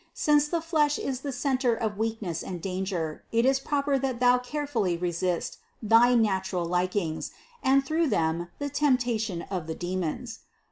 Since the flesh is the center of weakness and danger, it is proper that thou carefully resist thy natural likings, and through them the temptations of the demons.